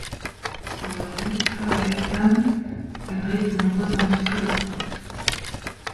Aujourd'hui, Trollhättan abrite de nombreuses industries de pointe.